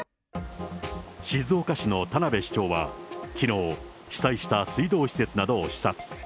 静岡市の田辺市長はきのう、被災した水道施設などを視察。